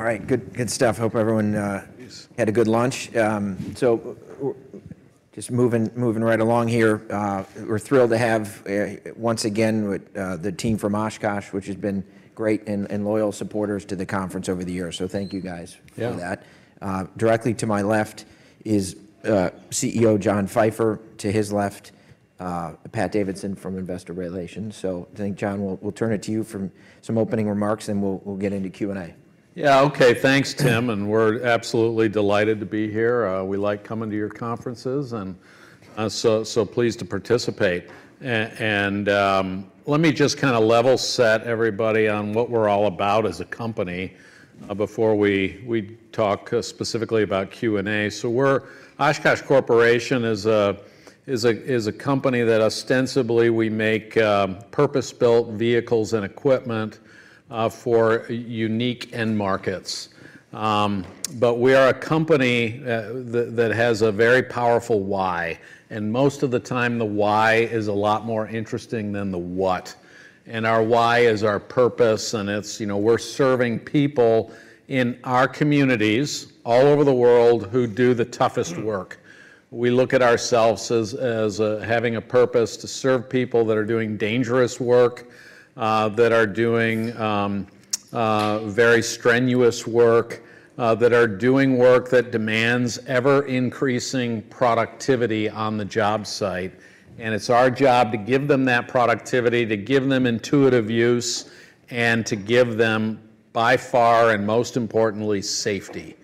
All right, good stuff. Hope everyone had a good lunch. So just moving right along here, we're thrilled to have once again the team from Oshkosh, which has been great and loyal supporters to the conference over the years. So thank you guys for that. Directly to my left is CEO John Pfeifer, to his left Pat Davidson from Investor Relations. So I think John, we'll turn it to you for some opening remarks and then we'll get into Q&A. Yeah, okay. Thanks Tim, and we're absolutely delighted to be here. We like coming to your conferences and so pleased to participate. Let me just kind of level set everybody on what we're all about as a company before we talk specifically about Q&A. So Oshkosh Corporation is a company that ostensibly we make purpose-built vehicles and equipment for unique end markets. But we are a company that has a very powerful why, and most of the time the why is a lot more interesting than the what. Our why is our purpose, and we're serving people in our communities all over the world who do the toughest work. We look at ourselves as having a purpose to serve people that are doing dangerous work, that are doing very strenuous work, that are doing work that demands ever-increasing productivity on the job site. It's our job to give them that productivity, to give them intuitive use, and to give them by far and most importantly safety.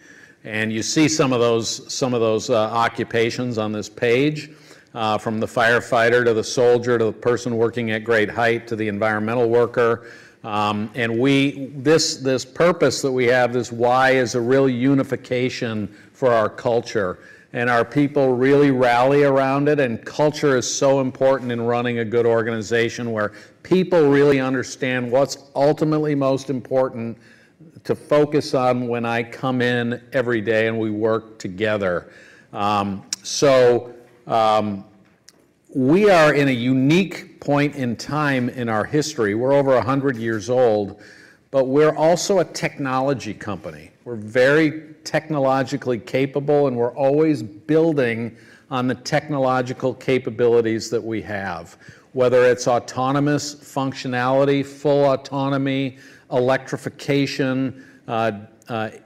You see some of those occupations on this page, from the firefighter to the soldier to the person working at great height to the environmental worker. This purpose that we have, this why, is a real unification for our culture. Our people really rally around it, and culture is so important in running a good organization where people really understand what's ultimately most important to focus on when I come in every day and we work together. We are in a unique point in time in our history. We're over 100 years old, but we're also a technology company. We're very technologically capable, and we're always building on the technological capabilities that we have, whether it's autonomous functionality, full autonomy, electrification,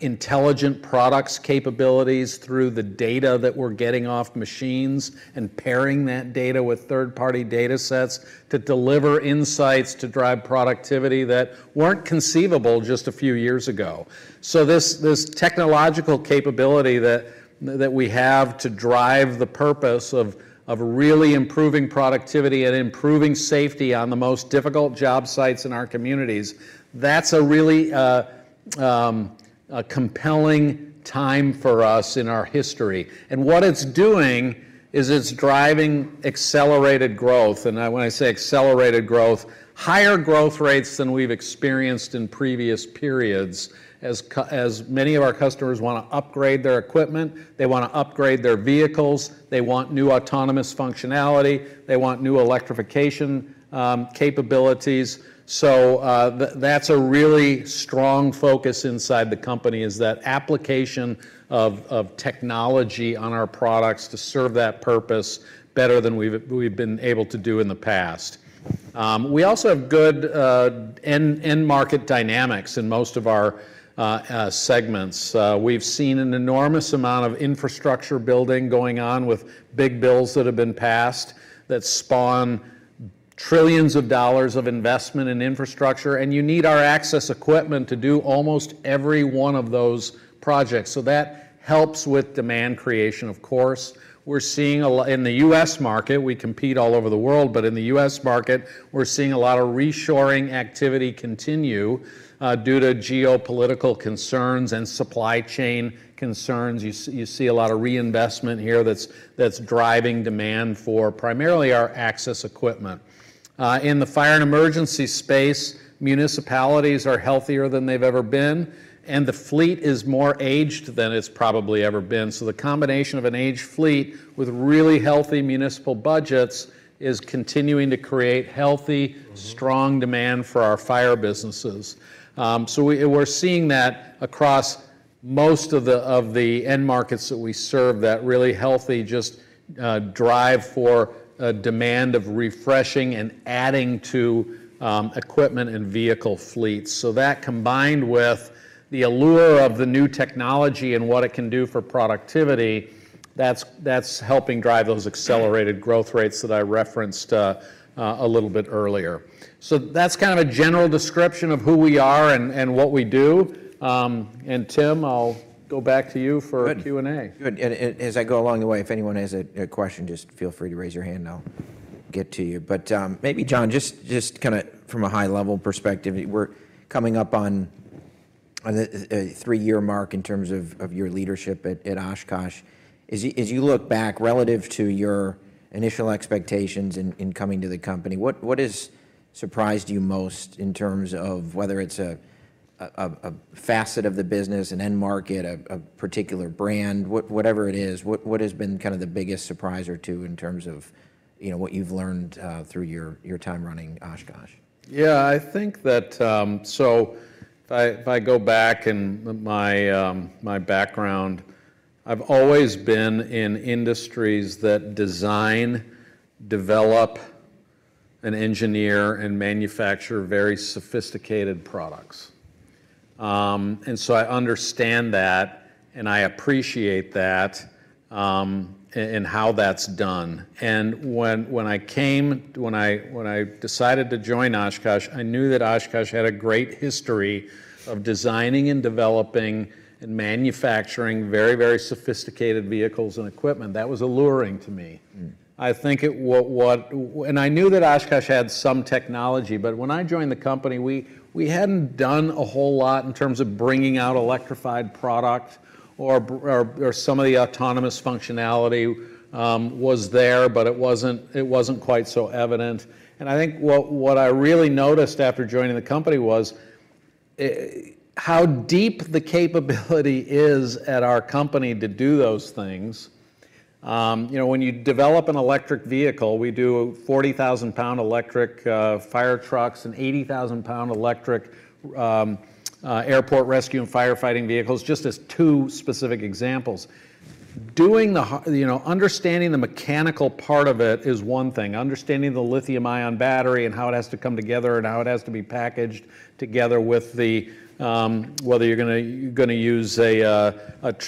intelligent products capabilities through the data that we're getting off machines and pairing that data with third-party data sets to deliver insights to drive productivity that weren't conceivable just a few years ago. So this technological capability that we have to drive the purpose of really improving productivity and improving safety on the most difficult job sites in our communities, that's a really compelling time for us in our history. And what it's doing is it's driving accelerated growth. And when I say accelerated growth, higher growth rates than we've experienced in previous periods as many of our customers want to upgrade their equipment, they want to upgrade their vehicles, they want new autonomous functionality, they want new electrification capabilities. So that's a really strong focus inside the company, is that application of technology on our products to serve that purpose better than we've been able to do in the past. We also have good end-market dynamics in most of our segments. We've seen an enormous amount of infrastructure building going on with big bills that have been passed that spawn trillions of dollars of investment in infrastructure, and you need our access equipment to do almost every one of those projects. So that helps with demand creation, of course. In the U.S. market, we compete all over the world, but in the U.S. market, we're seeing a lot of reshoring activity continue due to geopolitical concerns and supply chain concerns. You see a lot of reinvestment here that's driving demand for primarily our access equipment. In the fire and emergency space, municipalities are healthier than they've ever been, and the fleet is more aged than it's probably ever been. So the combination of an aged fleet with really healthy municipal budgets is continuing to create healthy, strong demand for our fire businesses. So we're seeing that across most of the end markets that we serve, that really healthy just drive for demand of refreshing and adding to equipment and vehicle fleets. So that combined with the allure of the new technology and what it can do for productivity, that's helping drive those accelerated growth rates that I referenced a little bit earlier. So that's kind of a general description of who we are and what we do. And Tim, I'll go back to you for Q&A. Good. And as I go along the way, if anyone has a question, just feel free to raise your hand. I'll get to you. But maybe John, just kind of from a high-level perspective, we're coming up on the three-year mark in terms of your leadership at Oshkosh. As you look back relative to your initial expectations in coming to the company, what has surprised you most in terms of whether it's a facet of the business, an end market, a particular brand, whatever it is, what has been kind of the biggest surprise or two in terms of what you've learned through your time running Oshkosh? Yeah, I think that so if I go back and my background, I've always been in industries that design, develop, and engineer and manufacture very sophisticated products. So I understand that and I appreciate that and how that's done. And when I decided to join Oshkosh, I knew that Oshkosh had a great history of designing and developing and manufacturing very, very sophisticated vehicles and equipment. That was alluring to me. I think it and I knew that Oshkosh had some technology, but when I joined the company, we hadn't done a whole lot in terms of bringing out electrified product or some of the autonomous functionality was there, but it wasn't quite so evident. And I think what I really noticed after joining the company was how deep the capability is at our company to do those things. When you develop an electric vehicle, we do 40,000 lbs electric fire trucks and 80,000 lbs electric airport rescue and firefighting vehicles, just as two specific examples. Understanding the mechanical part of it is one thing. Understanding the lithium-ion battery and how it has to come together and how it has to be packaged together with whether you're going to use a what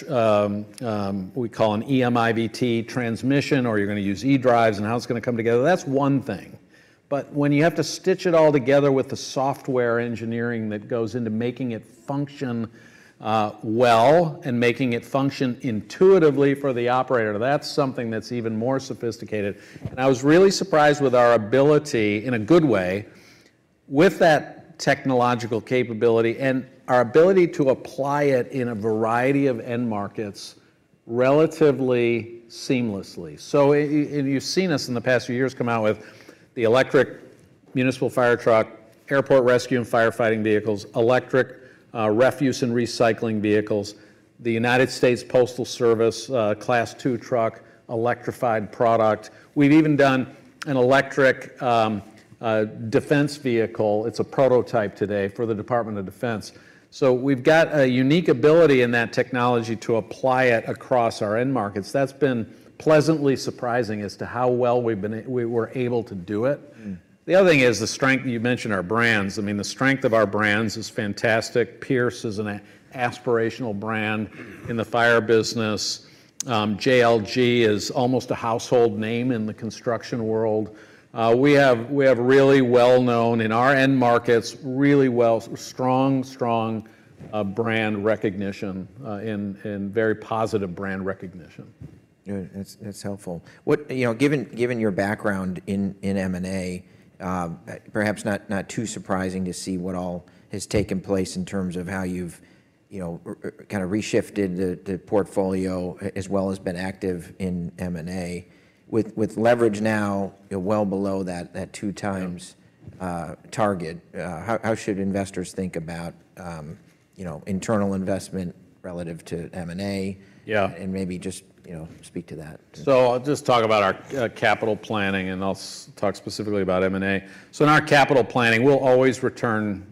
we call an eIVT transmission or you're going to use eDrives and how it's going to come together, that's one thing. But when you have to stitch it all together with the software engineering that goes into making it function well and making it function intuitively for the operator, that's something that's even more sophisticated. And I was really surprised with our ability, in a good way, with that technological capability and our ability to apply it in a variety of end markets relatively seamlessly. You've seen us in the past few years come out with the electric municipal fire truck, airport rescue and firefighting vehicles, electric refuse and recycling vehicles, the United States Postal Service Class 2 truck, electrified product. We've even done an electric defense vehicle. It's a prototype today for the Department of Defense. So we've got a unique ability in that technology to apply it across our end markets. That's been pleasantly surprising as to how well we were able to do it. The other thing is the strength you mentioned, our brands. I mean, the strength of our brands is fantastic. Pierce is an aspirational brand in the fire business. JLG is almost a household name in the construction world. We have really well-known in our end markets, really strong, strong brand recognition and very positive brand recognition. Good. That's helpful. Given your background in M&A, perhaps not too surprising to see what all has taken place in terms of how you've kind of reshifted the portfolio as well as been active in M&A. With leverage now well below that 2x target, how should investors think about internal investment relative to M&A and maybe just speak to that? So I'll just talk about our capital planning, and I'll talk specifically about M&A. So in our capital planning, we'll always return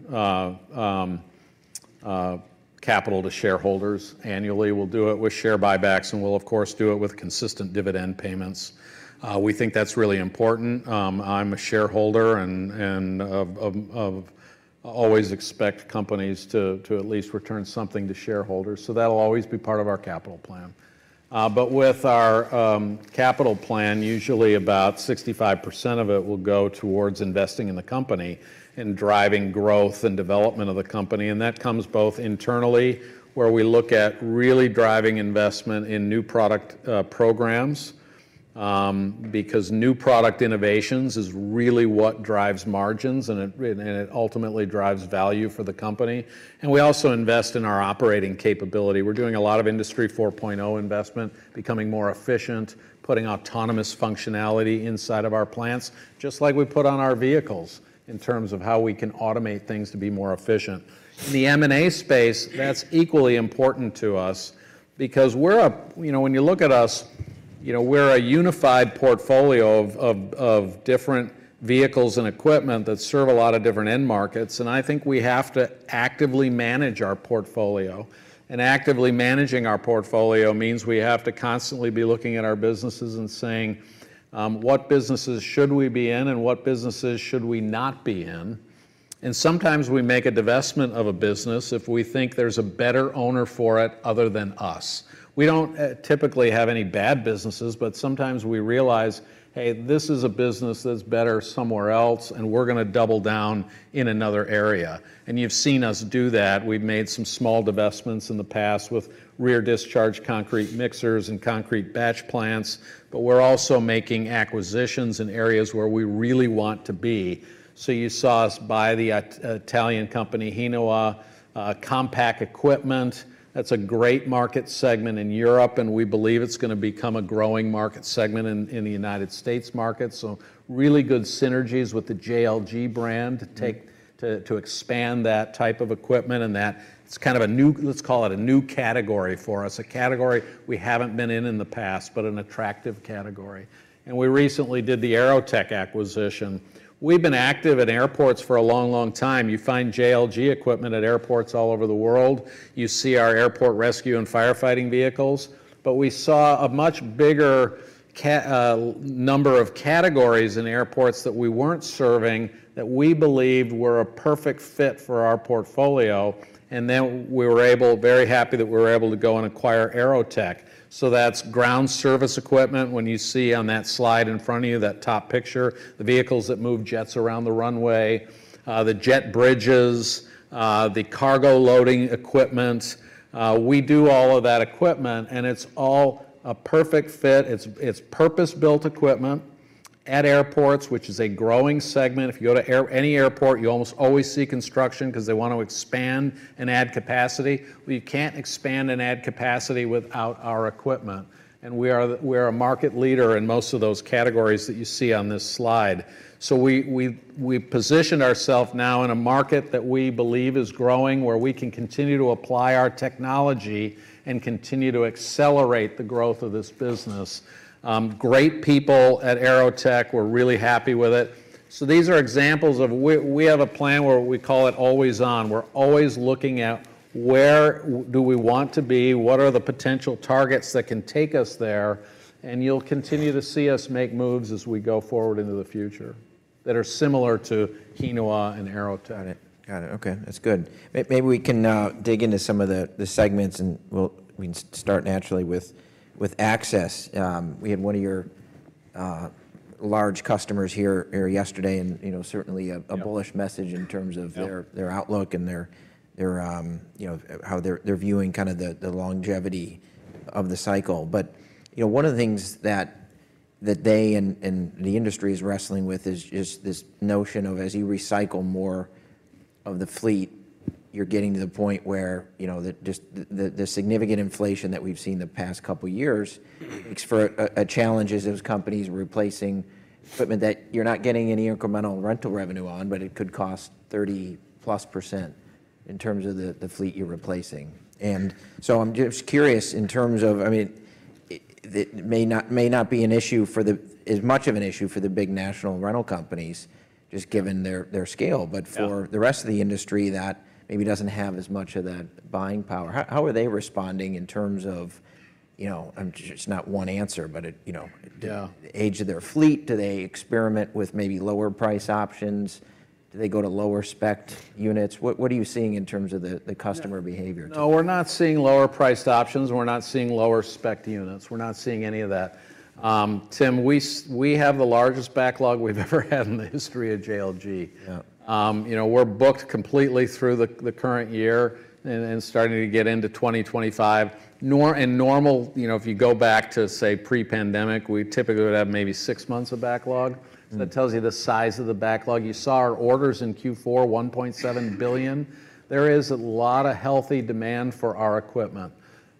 capital to shareholders annually. We'll do it with share buybacks, and we'll, of course, do it with consistent dividend payments. We think that's really important. I'm a shareholder and always expect companies to at least return something to shareholders. So that'll always be part of our capital plan. But with our capital plan, usually about 65% of it will go towards investing in the company and driving growth and development of the company. And that comes both internally, where we look at really driving investment in new product programs because new product innovations is really what drives margins, and it ultimately drives value for the company. And we also invest in our operating capability. We're doing a lot of Industry 4.0 investment, becoming more efficient, putting autonomous functionality inside of our plants just like we put on our vehicles in terms of how we can automate things to be more efficient. In the M&A space, that's equally important to us because when you look at us, we're a unified portfolio of different vehicles and equipment that serve a lot of different end markets. I think we have to actively manage our portfolio. Actively managing our portfolio means we have to constantly be looking at our businesses and saying what businesses should we be in and what businesses should we not be in. Sometimes we make a divestment of a business if we think there's a better owner for it other than us. We don't typically have any bad businesses, but sometimes we realize, hey, this is a business that's better somewhere else, and we're going to double down in another area. You've seen us do that. We've made some small divestments in the past with rear discharge concrete mixers and concrete batch plants, but we're also making acquisitions in areas where we really want to be. You saw us buy the Italian company Hinowa. That's a great market segment in Europe, and we believe it's going to become a growing market segment in the United States market. Really good synergies with the JLG brand to expand that type of equipment. That's kind of a new, let's call it a new category for us, a category we haven't been in in the past, but an attractive category. We recently did the AeroTech acquisition. We've been active at airports for a long, long time. You find JLG equipment at airports all over the world. You see our airport rescue and firefighting vehicles. But we saw a much bigger number of categories in airports that we weren't serving that we believed were a perfect fit for our portfolio. Then we were very happy that we were able to go and acquire AeroTech. So that's ground service equipment when you see on that slide in front of you, that top picture, the vehicles that move jets around the runway, the jet bridges, the cargo loading equipment. We do all of that equipment, and it's all a perfect fit. It's purpose-built equipment at airports, which is a growing segment. If you go to any airport, you almost always see construction because they want to expand and add capacity. You can't expand and add capacity without our equipment. And we are a market leader in most of those categories that you see on this slide. So we position ourselves now in a market that we believe is growing, where we can continue to apply our technology and continue to accelerate the growth of this business. Great people at AeroTech. We're really happy with it. So these are examples of we have a plan where we call it always on. We're always looking at where do we want to be, what are the potential targets that can take us there, and you'll continue to see us make moves as we go forward into the future that are similar to Hinowa and AeroTech. Got it. Got it. Okay. That's good. Maybe we can dig into some of the segments, and we can start naturally with access. We had one of your large customers here yesterday and certainly a bullish message in terms of their outlook and how they're viewing kind of the longevity of the cycle. But one of the things that they and the industry is wrestling with is this notion of as you recycle more of the fleet, you're getting to the point where the significant inflation that we've seen the past couple of years for a challenge is those companies replacing equipment that you're not getting any incremental rental revenue on, but it could cost 30%+ in terms of the fleet you're replacing. And so I'm just curious in terms of, I mean, it may not be as much of an issue for the big national rental companies just given their scale, but for the rest of the industry that maybe doesn't have as much of that buying power, how are they responding in terms of, it's not one answer, but the age of their fleet? Do they experiment with maybe lower price options? Do they go to lower spec units? What are you seeing in terms of the customer behavior? No, we're not seeing lower priced options. We're not seeing lower spec units. We're not seeing any of that. Tim, we have the largest backlog we've ever had in the history of JLG. We're booked completely through the current year and starting to get into 2025. In normal, if you go back to, say, pre-pandemic, we typically would have maybe six months of backlog. So that tells you the size of the backlog. You saw our orders in Q4, 1.7 billion. There is a lot of healthy demand for our equipment.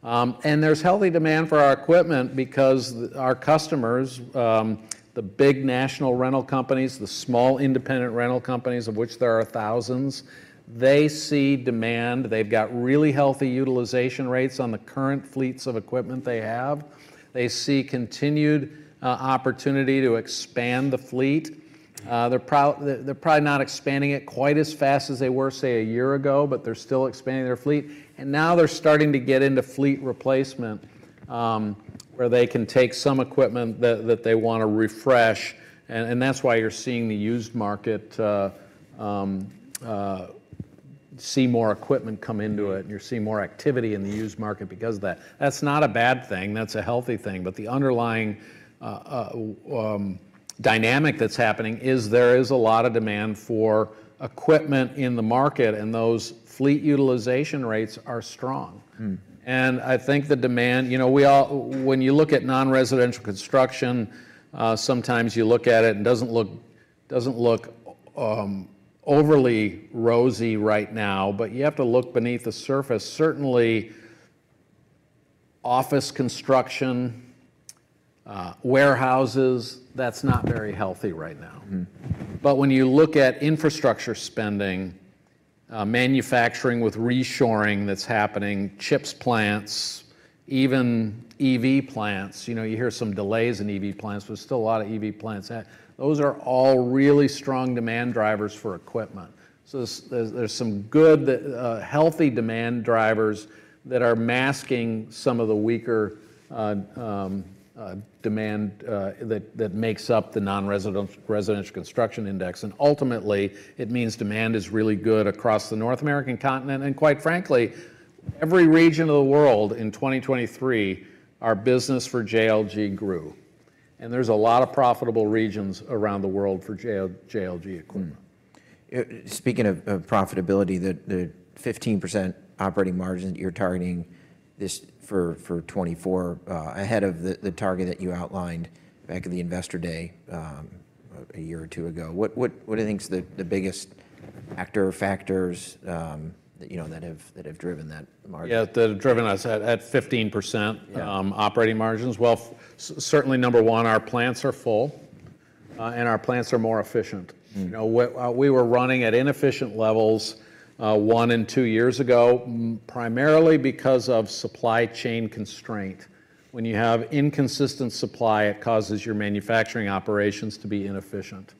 There's healthy demand for our equipment because our customers, the big national rental companies, the small independent rental companies, of which there are thousands, they see demand. They've got really healthy utilization rates on the current fleets of equipment they have. They see continued opportunity to expand the fleet. They're probably not expanding it quite as fast as they were, say, a year ago, but they're still expanding their fleet. Now they're starting to get into fleet replacement where they can take some equipment that they want to refresh. That's why you're seeing the used market see more equipment come into it, and you're seeing more activity in the used market because of that. That's not a bad thing. That's a healthy thing. But the underlying dynamic that's happening is there is a lot of demand for equipment in the market, and those fleet utilization rates are strong. I think the demand when you look at non-residential construction, sometimes you look at it and it doesn't look overly rosy right now, but you have to look beneath the surface. Certainly, office construction, warehouses, that's not very healthy right now. But when you look at infrastructure spending, manufacturing with reshoring that's happening, chips plants, even EV plants, you hear some delays in EV plants, but still a lot of EV plants. Those are all really strong demand drivers for equipment. So there's some good healthy demand drivers that are masking some of the weaker demand that makes up the non-residential construction index. And ultimately, it means demand is really good across the North American continent. And quite frankly, every region of the world in 2023, our business for JLG grew. And there's a lot of profitable regions around the world for JLG equipment. Speaking of profitability, the 15% operating margin that you're targeting for 2024 ahead of the target that you outlined back at the Investor Day a year or two ago, what do you think's the biggest actor or factors that have driven that margin? Yeah, what have driven us at 15% operating margins? Well, certainly, number one, our plants are full, and our plants are more efficient. We were running at inefficient levels one and two years ago primarily because of supply chain constraint. When you have inconsistent supply, it causes your manufacturing operations to be inefficient.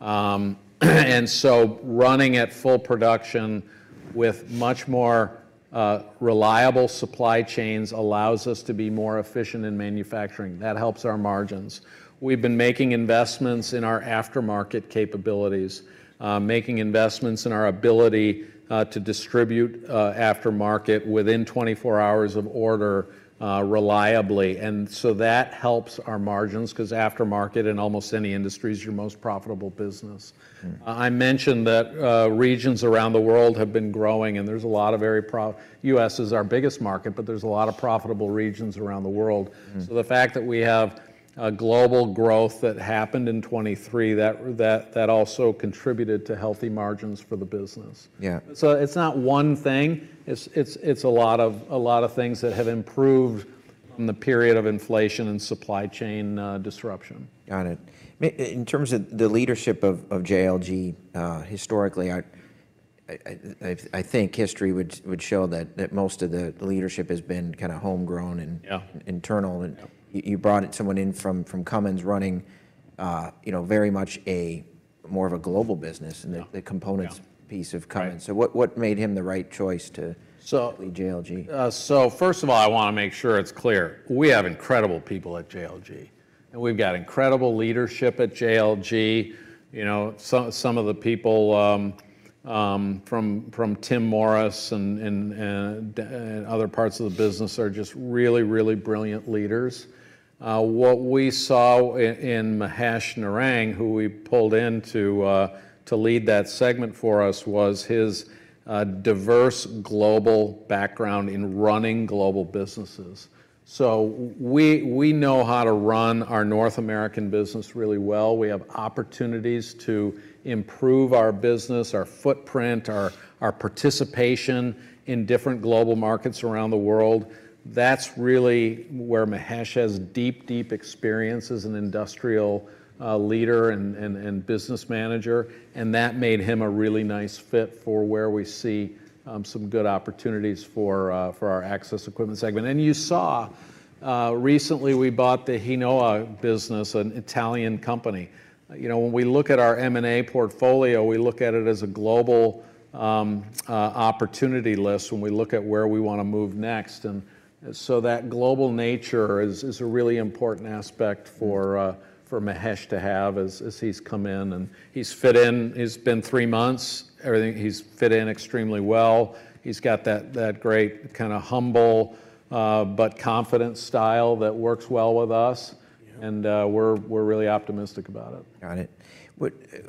And so running at full production with much more reliable supply chains allows us to be more efficient in manufacturing. That helps our margins. We've been making investments in our aftermarket capabilities, making investments in our ability to distribute aftermarket within 24 hours of order reliably. And so that helps our margins because aftermarket, in almost any industry, is your most profitable business. I mentioned that regions around the world have been growing, and there's a lot of very... U.S. is our biggest market, but there's a lot of profitable regions around the world. So the fact that we have global growth that happened in 2023, that also contributed to healthy margins for the business. So it's not one thing. It's a lot of things that have improved from the period of inflation and supply chain disruption. Got it. In terms of the leadership of JLG historically, I think history would show that most of the leadership has been kind of homegrown and internal. And you brought someone in from Cummins running very much more of a global business and the components piece of Cummins. So what made him the right choice to lead JLG? So first of all, I want to make sure it's clear. We have incredible people at JLG, and we've got incredible leadership at JLG. Some of the people from Tim Morris and other parts of the business are just really, really brilliant leaders. What we saw in Mahesh Narang, who we pulled in to lead that segment for us, was his diverse global background in running global businesses. So we know how to run our North American business really well. We have opportunities to improve our business, our footprint, our participation in different global markets around the world. That's really where Mahesh has deep, deep experience as an industrial leader and business manager. And that made him a really nice fit for where we see some good opportunities for our access equipment segment. And you saw recently, we bought the Hinowa business, an Italian company. When we look at our M&A portfolio, we look at it as a global opportunity list when we look at where we want to move next. And so that global nature is a really important aspect for Mahesh to have as he's come in. And he's fit in. It's been three months. He's fit in extremely well. He's got that great kind of humble but confident style that works well with us. And we're really optimistic about it. Got it.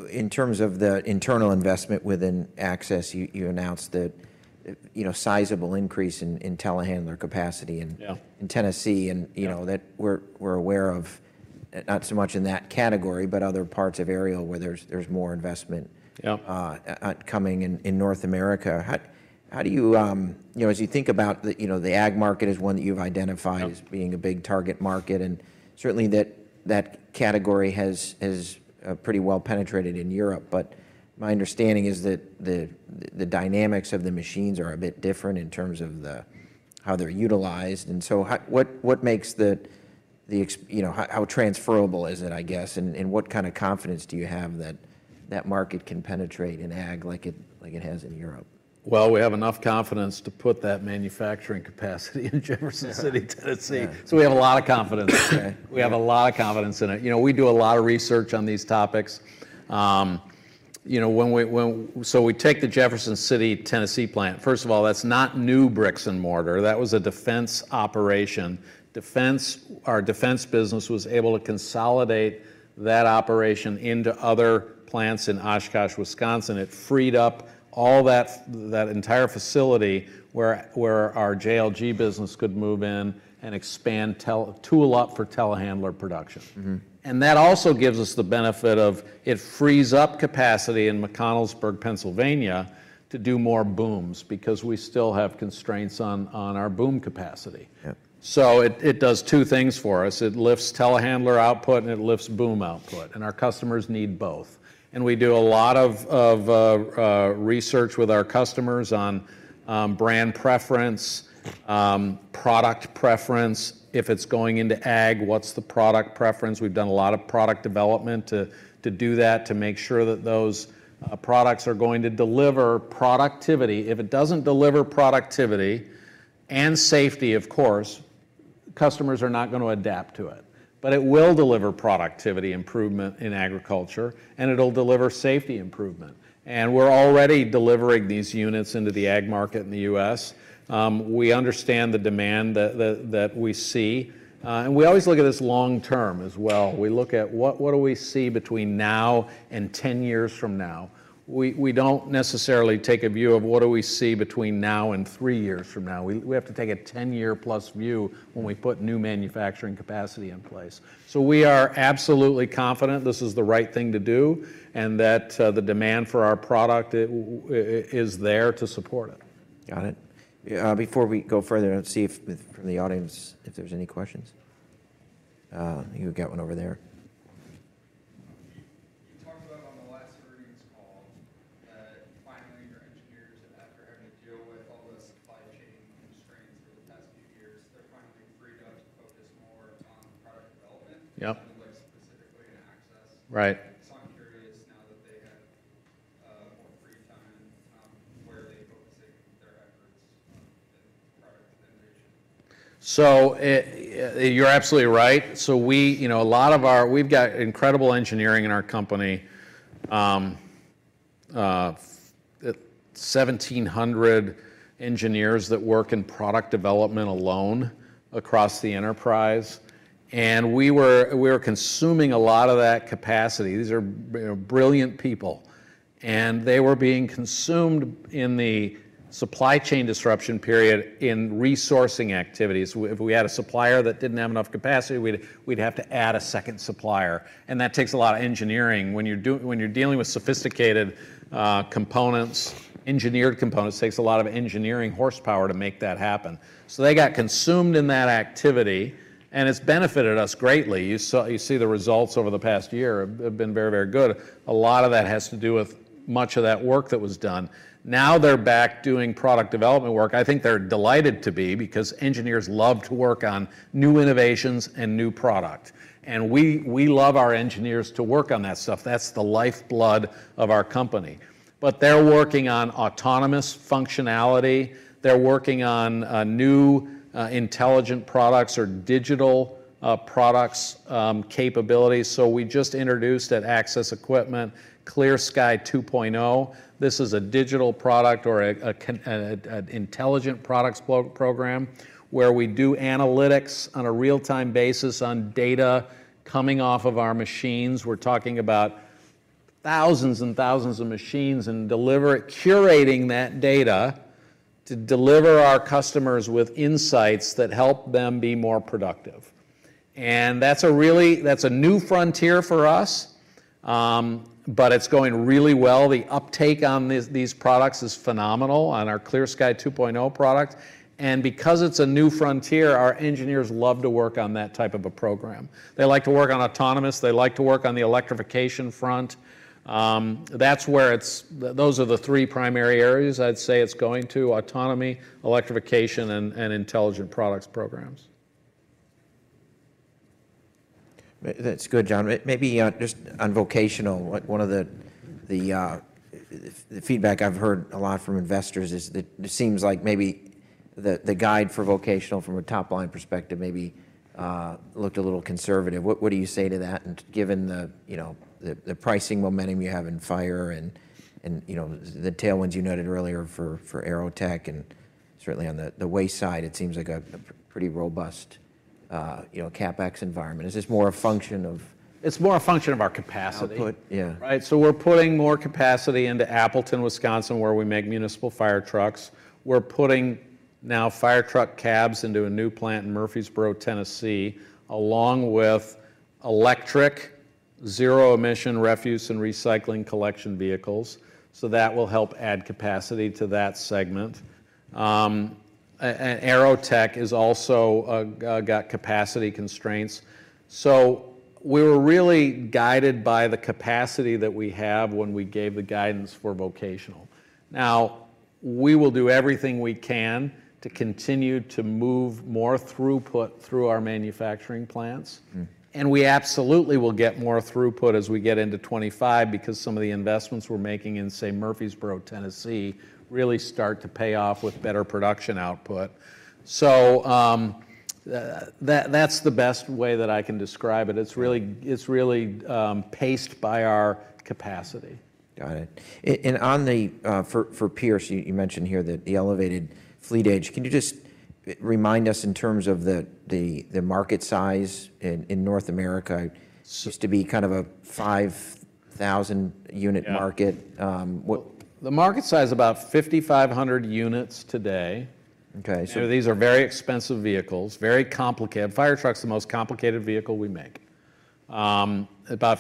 In terms of the internal investment within Access, you announced that sizable increase in telehandler capacity in Tennessee that we're aware of, not so much in that category, but other parts of aerial where there's more investment coming in North America. How do you, as you think about the ag market as one that you've identified as being a big target market, and certainly that category has pretty well penetrated in Europe, but my understanding is that the dynamics of the machines are a bit different in terms of how they're utilized? And so what makes the how transferable is it, I guess, and what kind of confidence do you have that that market can penetrate in ag like it has in Europe? Well, we have enough confidence to put that manufacturing capacity in Jefferson City, Tennessee. So we have a lot of confidence in it. We have a lot of confidence in it. We do a lot of research on these topics. So we take the Jefferson City, Tennessee plant. First of all, that's not new bricks and mortar. That was a defense operation. Our defense business was able to consolidate that operation into other plants in Oshkosh, Wisconsin. It freed up all that entire facility where our JLG business could move in and expand tool up for telehandler production. And that also gives us the benefit of it frees up capacity in McConnellsburg, Pennsylvania to do more booms because we still have constraints on our boom capacity. So it does two things for us. It lifts telehandler output, and it lifts boom output. And our customers need both. We do a lot of research with our customers on brand preference, product preference. If it's going into ag, what's the product preference? We've done a lot of product development to do that to make sure that those products are going to deliver productivity. If it doesn't deliver productivity and safety, of course, customers are not going to adapt to it. But it will deliver productivity improvement in agriculture, and it'll deliver safety improvement. We're already delivering these units into the ag market in the U.S. We understand the demand that we see. We always look at this long-term as well. We look at what do we see between now and 10 years from now? We don't necessarily take a view of what do we see between now and three years from now. We have to take a 10+ year view when we put new manufacturing capacity in place. So we are absolutely confident this is the right thing to do and that the demand for our product is there to support it. Got it. Before we go further and see if from the audience if there's any questions, you got one over there. You talked about on the last earnings call that finally your engineers, after having to deal with all the supply chain constraints over the past few years, they're finally freed up to focus more on product development specifically in access. So I'm curious now that they have more free time, where are they focusing their efforts in product innovation? So you're absolutely right. So a lot of, we've got incredible engineering in our company, 1,700 engineers that work in product development alone across the enterprise. We were consuming a lot of that capacity. These are brilliant people. They were being consumed in the supply chain disruption period in resourcing activities. If we had a supplier that didn't have enough capacity, we'd have to add a second supplier. That takes a lot of engineering. When you're dealing with sophisticated components, engineered components, it takes a lot of engineering horsepower to make that happen. So they got consumed in that activity, and it's benefited us greatly. You see the results over the past year have been very, very good. A lot of that has to do with much of that work that was done. Now they're back doing product development work. I think they're delighted to be because engineers love to work on new innovations and new product. We love our engineers to work on that stuff. That's the lifeblood of our company. But they're working on autonomous functionality. They're working on new Intelligent Products or digital products capabilities. We just introduced at Access Equipment ClearSky 2.0. This is a digital product or an Intelligent Products program where we do analytics on a real-time basis on data coming off of our machines. We're talking about thousands and thousands of machines and curating that data to deliver our customers with insights that help them be more productive. That's a new frontier for us, but it's going really well. The uptake on these products is phenomenal on our ClearSky 2.0 product. Because it's a new frontier, our engineers love to work on that type of a program. They like to work on autonomous. They like to work on the electrification front. Those are the three primary areas I'd say it's going to: autonomy, electrification, and intelligent products programs. That's good, John. Maybe just on vocational, one of the feedback I've heard a lot from investors is that it seems like maybe the guide for vocational from a top-line perspective maybe looked a little conservative. What do you say to that? And given the pricing momentum you have in fire and the tailwinds you noted earlier for AeroTech and certainly on the waste side, it seems like a pretty robust CapEx environment. Is this more a function of? It's more a function of our capacity. So we're putting more capacity into Appleton, Wisconsin, where we make municipal fire trucks. We're putting now fire truck cabs into a new plant in Murfreesboro, Tennessee, along with electric zero-emission refuse and recycling collection vehicles. So that will help add capacity to that segment. AeroTech has also got capacity constraints. So we were really guided by the capacity that we have when we gave the guidance for vocational. Now, we will do everything we can to continue to move more throughput through our manufacturing plants. And we absolutely will get more throughput as we get into 2025 because some of the investments we're making in, say, Murfreesboro, Tennessee, really start to pay off with better production output. So that's the best way that I can describe it. It's really paced by our capacity. Got it. And for Pierce, you mentioned here that the elevated fleet age. Can you just remind us in terms of the market size in North America? It used to be kind of a 5,000-unit market. The market size is about 5,500 units today. These are very expensive vehicles, very complicated. Fire trucks are the most complicated vehicle we make. About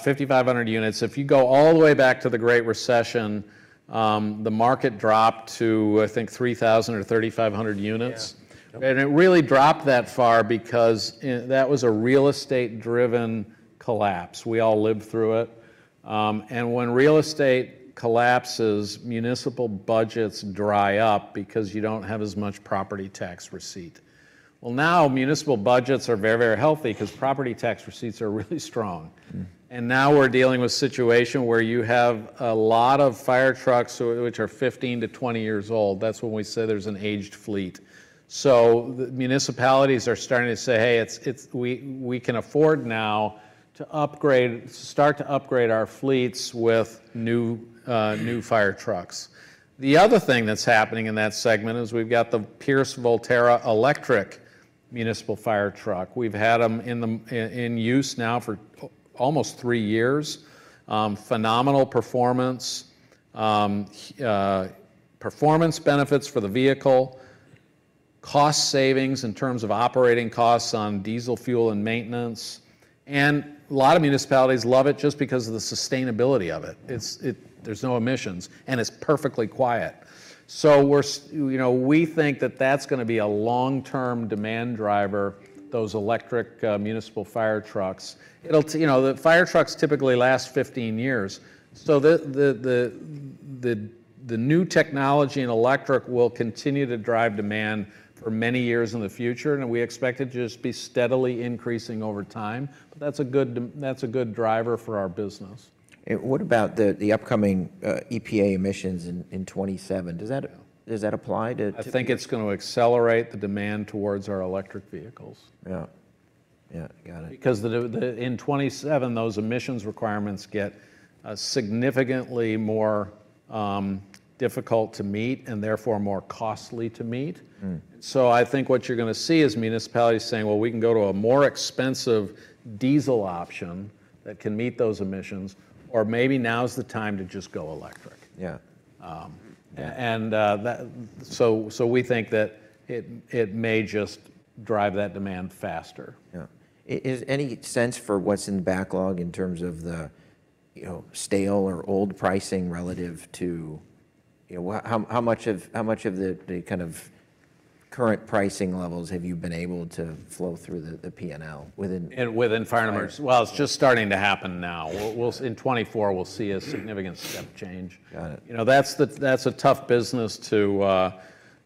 5,500 units. If you go all the way back to the Great Recession, the market dropped to, I think, 3,000 or 3,500 units. It really dropped that far because that was a real estate-driven collapse. We all lived through it. When real estate collapses, municipal budgets dry up because you don't have as much property tax receipt. Well, now municipal budgets are very, very healthy because property tax receipts are really strong. Now we're dealing with a situation where you have a lot of fire trucks which are 15-20 years old. That's when we say there's an aged fleet. So municipalities are starting to say, "Hey, we can afford now to start to upgrade our fleets with new fire trucks." The other thing that's happening in that segment is we've got the Pierce Volterra electric municipal fire truck. We've had them in use now for almost three years. Phenomenal performance, performance benefits for the vehicle, cost savings in terms of operating costs on diesel, fuel, and maintenance. And a lot of municipalities love it just because of the sustainability of it. There's no emissions, and it's perfectly quiet. So we think that that's going to be a long-term demand driver, those electric municipal fire trucks. Fire trucks typically last 15 years. So the new technology and electric will continue to drive demand for many years in the future. And we expect it to just be steadily increasing over time. But that's a good driver for our business. What about the upcoming EPA emissions in 2027? Does that apply to? I think it's going to accelerate the demand towards our electric vehicles. Because in 2027, those emissions requirements get significantly more difficult to meet and therefore more costly to meet. So I think what you're going to see is municipalities saying, "Well, we can go to a more expensive diesel option that can meet those emissions, or maybe now's the time to just go electric." And so we think that it may just drive that demand faster. Yeah. Is there any sense for what's in the backlog in terms of the stale or old pricing relative to how much of the kind of current pricing levels have you been able to flow through the P&L within? Within fire numbers. Well, it's just starting to happen now. In 2024, we'll see a significant step change. That's a tough business to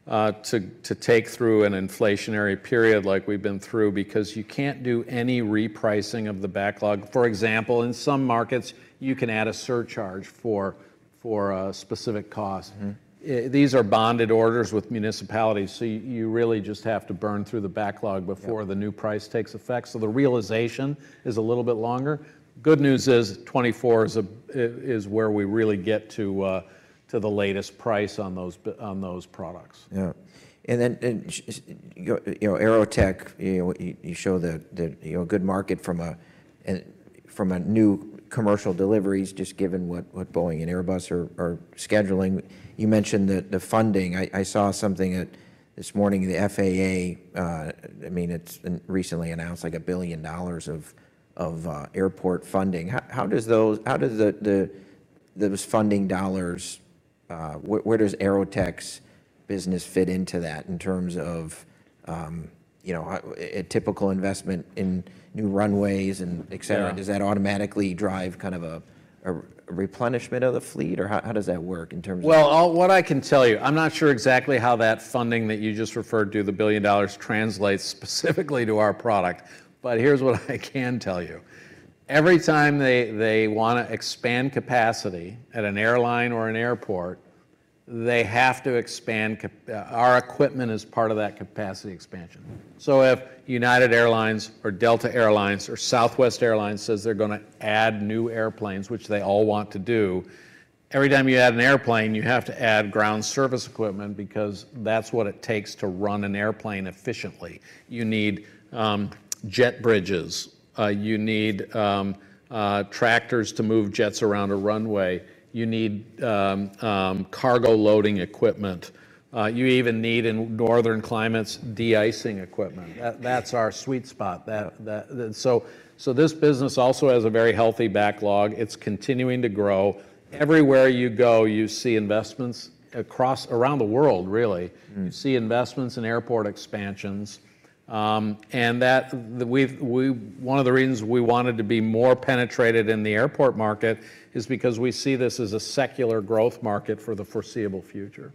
take through an inflationary period like we've been through because you can't do any repricing of the backlog. For example, in some markets, you can add a surcharge for a specific cost. These are bonded orders with municipalities. So you really just have to burn through the backlog before the new price takes effect. So the realization is a little bit longer. Good news is 2024 is where we really get to the latest price on those products. Yeah. And then AeroTech, you showed a good market from a new commercial deliveries just given what Boeing and Airbus are scheduling. You mentioned the funding. I saw something this morning in the FAA. I mean, it's recently announced like $1 billion of airport funding. How does those funding dollars where does AeroTech's business fit into that in terms of a typical investment in new runways, etc.? Does that automatically drive kind of a replenishment of the fleet, or how does that work in terms of? Well, what I can tell you, I'm not sure exactly how that funding that you just referred to, $1 billion, translates specifically to our product. But here's what I can tell you. Every time they want to expand capacity at an airline or an airport, they have to expand our equipment as part of that capacity expansion. So if United Airlines or Delta Air Lines or Southwest Airlines says they're going to add new airplanes, which they all want to do, every time you add an airplane, you have to add ground service equipment because that's what it takes to run an airplane efficiently. You need jet bridges. You need tractors to move jets around a runway. You need cargo loading equipment. You even need, in northern climates, de-icing equipment. That's our sweet spot. So this business also has a very healthy backlog. It's continuing to grow. Everywhere you go, you see investments around the world, really. You see investments in airport expansions. One of the reasons we wanted to be more penetrated in the airport market is because we see this as a secular growth market for the foreseeable future.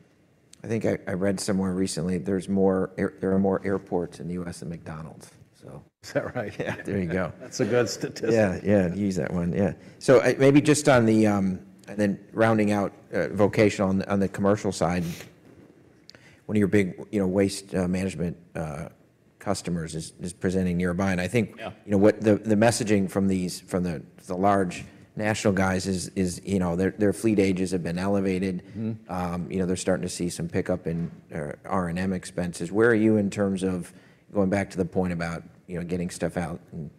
I think I read somewhere recently there are more airports in the U.S. than McDonald's. Is that right? Yeah. There you go. That's a good statistic. Yeah. Yeah. Use that one. Yeah. So maybe just on the and then rounding out vocational on the commercial side, one of your big waste management customers is presenting nearby. And I think the messaging from the large national guys is their fleet ages have been elevated. They're starting to see some pickup in R&M expenses. Where are you in terms of going back to the point about getting stuff out and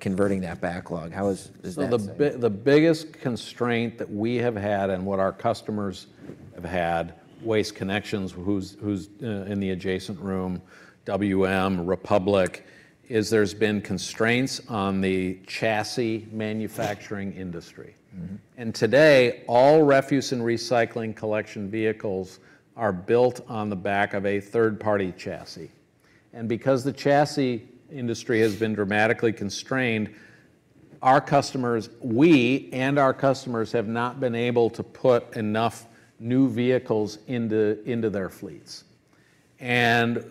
converting that backlog? How is that? So the biggest constraint that we have had and what our customers have had, Waste Connections, who's in the adjacent room, WM, Republic, is there's been constraints on the chassis manufacturing industry. And today, all refuse and recycling collection vehicles are built on the back of a third-party chassis. And because the chassis industry has been dramatically constrained, our customers, we and our customers have not been able to put enough new vehicles into their fleets. And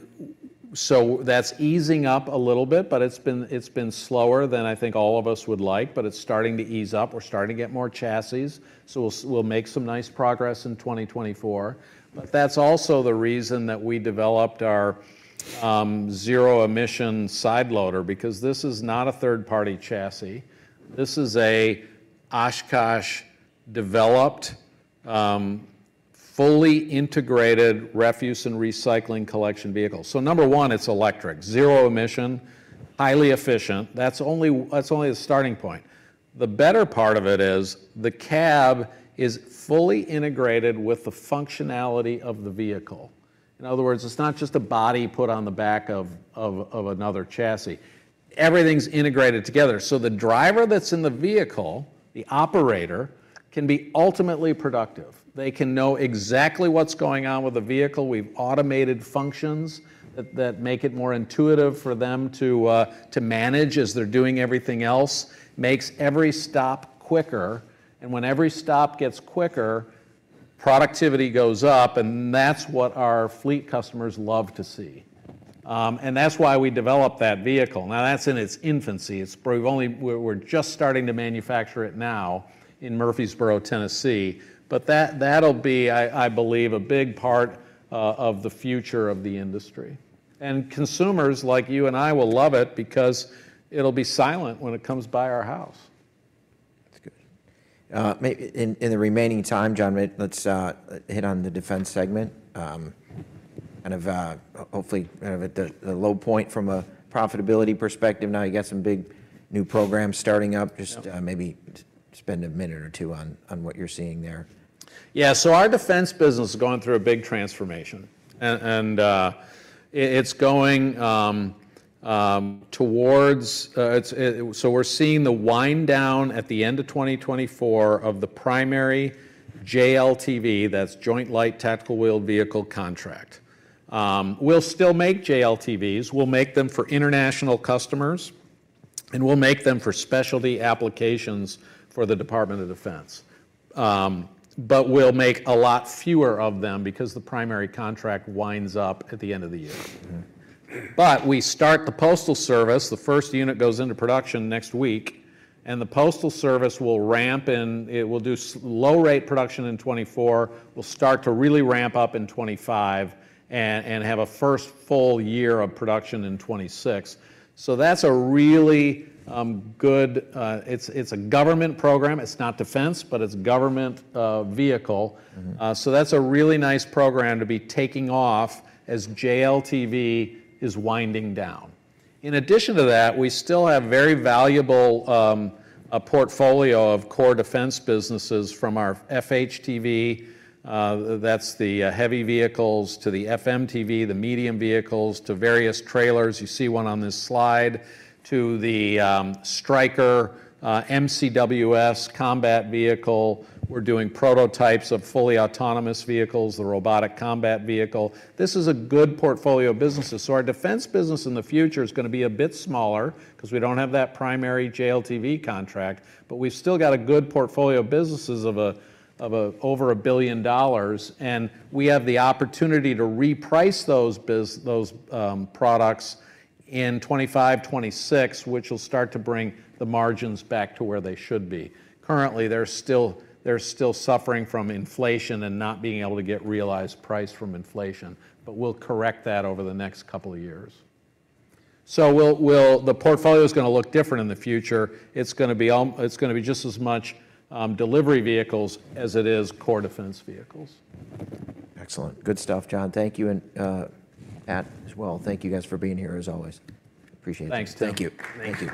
so that's easing up a little bit, but it's been slower than I think all of us would like. But it's starting to ease up. We're starting to get more chassis. So we'll make some nice progress in 2024. But that's also the reason that we developed our zero-emission side loader because this is not a third-party chassis. This is an Oshkosh developed, fully integrated refuse and recycling collection vehicle. So number 1, it's electric, zero-emission, highly efficient. That's only the starting point. The better part of it is the cab is fully integrated with the functionality of the vehicle. In other words, it's not just a body put on the back of another chassis. Everything's integrated together. So the driver that's in the vehicle, the operator, can be ultimately productive. They can know exactly what's going on with the vehicle. We've automated functions that make it more intuitive for them to manage as they're doing everything else. Makes every stop quicker. And when every stop gets quicker, productivity goes up. And that's what our fleet customers love to see. And that's why we developed that vehicle. Now, that's in its infancy. We're just starting to manufacture it now in Murfreesboro, Tennessee. But that'll be, I believe, a big part of the future of the industry. Consumers like you and I will love it because it'll be silent when it comes by our house. That's good. In the remaining time, John, let's hit on the defense segment, kind of hopefully at the low point from a profitability perspective. Now, you got some big new programs starting up. Just maybe spend a minute or two on what you're seeing there. Yeah. So our defense business is going through a big transformation. And it's going towards so we're seeing the wind down at the end of 2024 of the primary JLTV. That's Joint Light Tactical Vehicle contract. We'll still make JLTVs. We'll make them for international customers. And we'll make them for specialty applications for the Department of Defense. But we'll make a lot fewer of them because the primary contract winds up at the end of the year. But we start the postal service. The first unit goes into production next week. And the postal service will ramp in. It will do low-rate production in 2024. We'll start to really ramp up in 2025 and have a first full year of production in 2026. So that's a really good it's a government program. It's not defense, but it's a government vehicle. So that's a really nice program to be taking off as JLTV is winding down. In addition to that, we still have very valuable portfolio of core defense businesses from our FHTV. That's the heavy vehicles to the FMTV, the medium vehicles to various trailers. You see one on this slide to the Stryker MCWS combat vehicle. We're doing prototypes of fully autonomous vehicles, the Robotic Combat Vehicle. This is a good portfolio of businesses. So our defense business in the future is going to be a bit smaller because we don't have that primary JLTV contract. But we've still got a good portfolio of businesses of over $1 billion. And we have the opportunity to reprice those products in 2025, 2026, which will start to bring the margins back to where they should be. Currently, they're still suffering from inflation and not being able to get realized price from inflation. We'll correct that over the next couple of years. The portfolio is going to look different in the future. It's going to be just as much delivery vehicles as it is core defense vehicles. Excellent. Good stuff, John. Thank you. And, Pat, as well, thank you guys for being here as always. Appreciate it. Thanks, Tim. Thank you. Thank you.